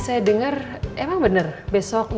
saya dengar emang bener besok